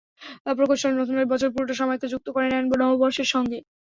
প্রকৌশলী রতন রায় বছরের পুরোটা সময়কে যুক্ত করে নেন নববর্ষের সঙ্গে।